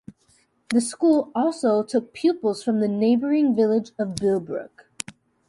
The school also took pupils from the neighbouring village of Bilbrook.